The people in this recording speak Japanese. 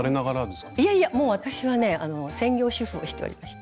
いやいやもう私はね専業主婦をしておりました。